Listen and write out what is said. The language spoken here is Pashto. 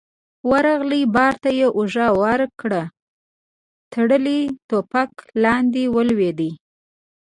ورغی، بار ته يې اوږه ورکړه، تړلې ټوپکې لاندې ولوېدې.